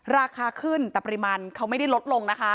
ราคาขึ้นแต่ปริมาณเขาไม่ได้ลดลงนะคะ